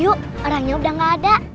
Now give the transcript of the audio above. yuk orangnya udah gak ada